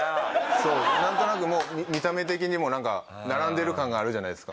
そうなんとなくもう見た目的にもなんか並んでる感があるじゃないですか。